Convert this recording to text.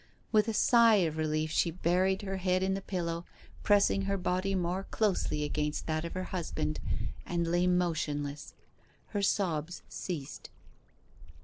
With a sigh of relief she buried her head in the pillow, pressed her body more closely against that of her hus band, and lay motionless. Her sobs ceased.